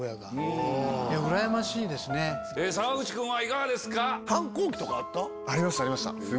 坂口君はいかがですか？